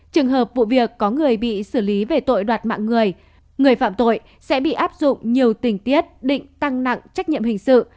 trường hợp vụ việc có người bị xử lý về tội đoạt mạng người người phạm tội sẽ bị áp dụng nhiều tình tiết định tăng nặng trách nhiệm hình sự